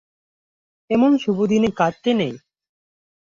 এমন শুভ দিনে কাঁদতে নেই।